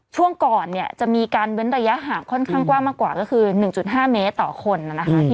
ช่วงก่อนเนี่ยจะมีการเว้นระยะห่างค่อนข้างกว้างมากกว่าก็คือ๑๕เมตรต่อคนนะคะ